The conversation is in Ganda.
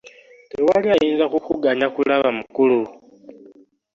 Tewali ayinza kukuganya kulaba mukulu.